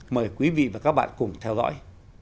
mời quý vị và các bạn cùng theo dõi